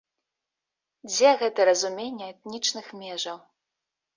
Дзе гэта разуменне этнічных межаў?